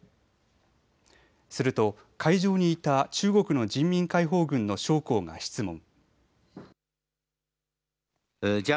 すると会場にいた中国の人民解放軍の将校が質問。